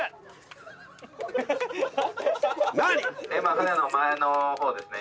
「今船の前の方ですね。